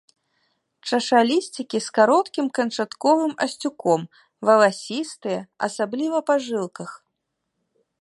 Чашалісцікі з кароткім канчатковым асцюком, валасістыя, асабліва па жылках.